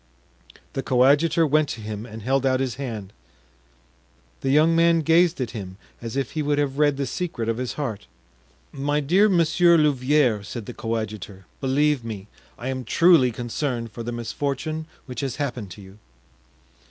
The coadjutor went to him and held out his hand. The young man gazed at him as if he would have read the secret of his heart. "My dear Monsieur Louvieres," said the coadjutor, "believe me, I am truly concerned for the misfortune which has happened to you."